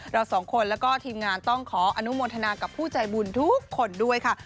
เราสองคนแล้วก็ทีมงานต้องขออนุโมทนากับผู้ใจบุญทุกคนด้วยค่ะ